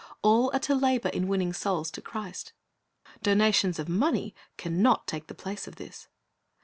All are to labor in winning souls to Christ. Donations of mone\' can not take the place of this.